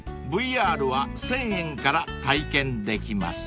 ＶＲは１，０００円から体験できます］